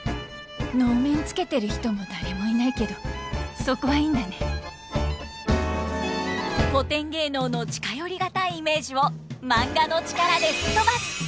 能面つけてる人も誰もいないけどそこはいいんだね古典芸能の近寄り難いイメージをマンガの力でふっとばす！